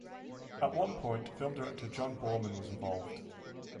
At one point, film director John Boorman was involved.